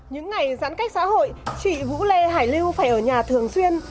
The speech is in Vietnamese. những ngày giãn cách xã hội chị vũ lê hải lưu phải ở nhà thường xuyên